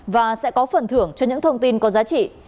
và sẽ có phần thưởng cho những thông tin có giá trị